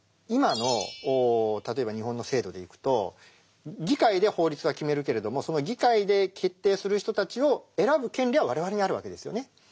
今の例えば日本の制度でいくと議会で法律は決めるけれどもその議会で決定する人たちを選ぶ権利は我々にあるわけですよね。